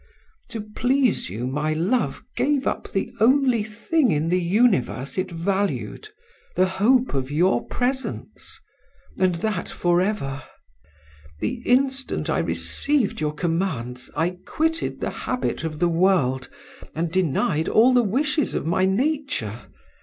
To please you my love gave up the only thing in the universe it valued the hope of your presence and that forever. The instant I received your commands I quitted the habit of the world, and denied all the wishes of my nature.